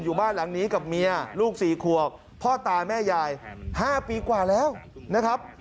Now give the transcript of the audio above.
อยู่บ้านหลังนี้กับเมียลูก๔ขวบพ่อตาแม่ยาย๕ปีกว่าแล้วนะครับ